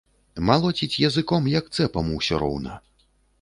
Малоціць языком, як цэпам усё роўна.